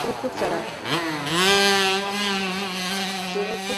তুমি খুব চালাক।